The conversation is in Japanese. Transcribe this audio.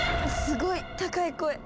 すごい高い声。